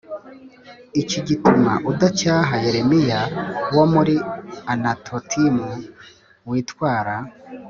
iki gituma udacyaha Yeremiya wo muri Anatotim witwara